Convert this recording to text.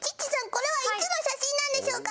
これはいつの写真なんでしょうか